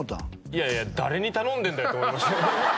いやいや誰に頼んでんだよって思いました